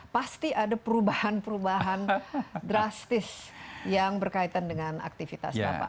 pasti ada perubahan perubahan drastis yang berkaitan dengan aktivitas bapak